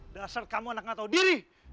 dari asal kamu anak nggak tahu diri